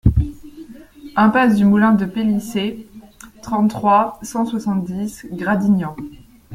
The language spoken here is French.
Impasse du Moulin de Pelissey, trente-trois, cent soixante-dix Gradignan